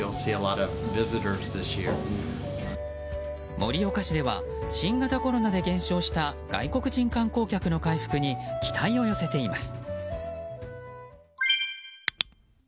盛岡市では新型コロナで減少した外国人観光客の回復に期待を寄せています。